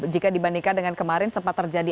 jika dibandingkan dengan kemarin sempat terjadi